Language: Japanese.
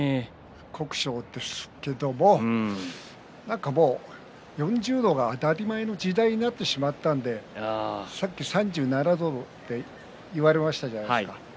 酷暑ですけれども４０度が当たり前の時代になってしまったのでさっき３７度って言われましたじゃないですか。